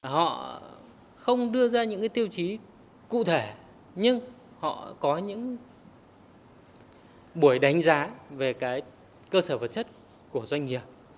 họ không đưa ra những tiêu chí cụ thể nhưng họ có những buổi đánh giá về cơ sở vật chất của doanh nghiệp